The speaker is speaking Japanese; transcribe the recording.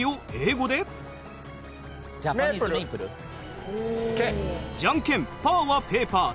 じゃんけんパーはペーパー。